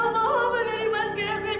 masih kami tak lupa apa yang dari mas keven